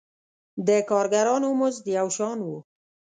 د کارګرانو مزد یو شان و.